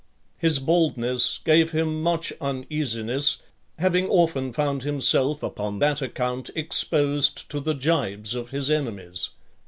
His baldness gave him much uneasiness, having often found himself upon that account exposed to the jibes of his enemies.